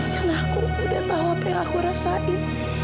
karena aku sudah tahu apa yang aku rasakan